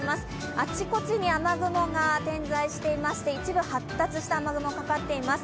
あちこちに雨雲が点在していまして、一部発達した雨雲、かかっています